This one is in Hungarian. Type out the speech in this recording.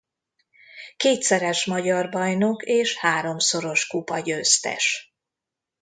Kétszeres magyar bajnok és háromszoros kupagyőztes.